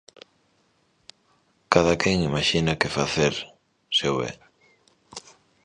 Cada quen imaxina que facer se o ve.